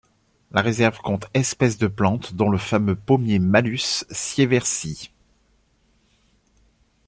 La réserve compte espèces de plantes dont le fameux pommier Malus sieversii.